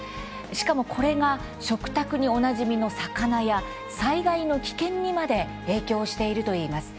しかも、これが食卓におなじみの魚や災害の危険にまで影響しているといいます。